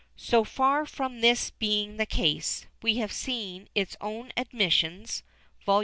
So far from this being the case, we have seen its own admissions (Vol.